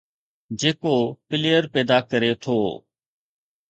جيڪو پليئر پيدا ڪري ٿو،